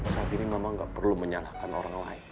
saat ini mama gak perlu menyalahkan orang lain